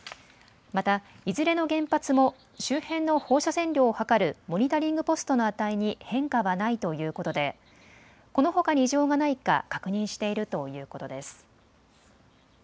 またいずれの原発も周辺の放射線量を測るモニタリングポストの値に変化はないということでこのほかに異常がないか確認しているということです。